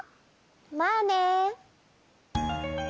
まあね。